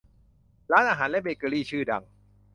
ร้านอาหารและเบเกอรี่ชื่อดัง